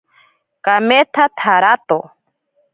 Kametsa tsarato.